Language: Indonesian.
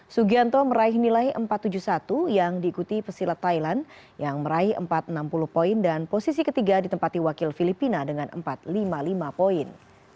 sugianto meraih nilai empat ratus tujuh puluh satu yang diikuti pesilat thailand yang meraih empat ratus enam puluh poin dan posisi ketiga ditempati wakil filipina dengan empat ratus lima puluh lima poin